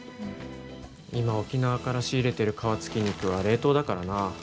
今沖縄から仕入れてる皮付き肉は冷凍だからな。